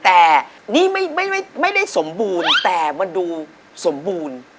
แต่นี่ไม่ได้สมบูรณ์แต่มันดูสมบูรณ์